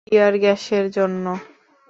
টিয়ার গ্যাসের জন্য।